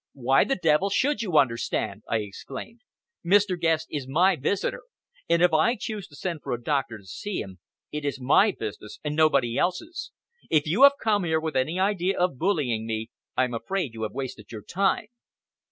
"Why the devil should you understand?" I exclaimed. "Mr. Guest is my visitor, and if I choose to send for a doctor to see him, it is my business and nobody else's. If you have come here with any idea of bullying me, I am afraid you have wasted your time."